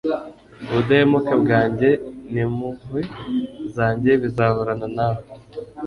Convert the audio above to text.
ubudahemuka bwanjye n'impuhwe zanjye bizahorana na we